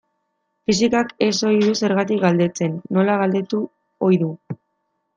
Fisikak ez ohi du zergatik galdetzen, nola galdetu ohi du.